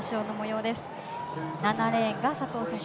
７レーンが佐藤選手